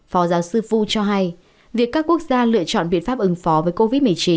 phó giáo sư fu cho hay việc các quốc gia lựa chọn biện pháp ứng phó với covid một mươi chín